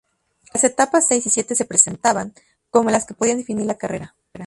Las etapas seis y siete se presentaban como las que podían definir la carrera.